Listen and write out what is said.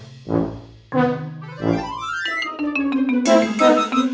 tunggu sebentar ya